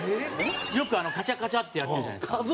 よくカチャカチャってやってるじゃないですか。